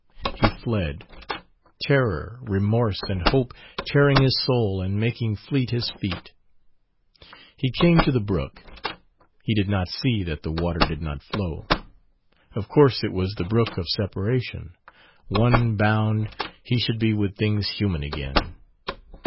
He fled terror, remorse, and hope tearing his soul and making fleet his feet. He came to the brook he did not see that the water did not flow of course it was the brook for separation; one bound, he should be with things human again.